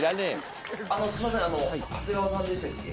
すいません長谷川さんでしたっけ？